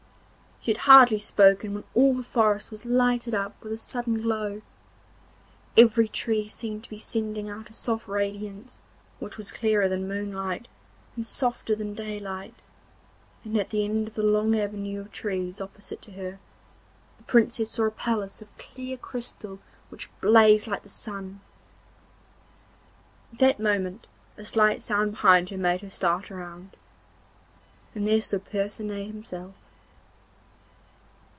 She had hardly spoken when all the forest was lighted up with a sudden glow. Every tree seemed to be sending out a soft radiance, which was clearer than moonlight and softer than daylight, and at the end of a long avenue of trees opposite to her the Princess saw a palace of clear crystal which blazed like the sun. At that moment a slight sound behind her made her start round, and there stood Percinet himself.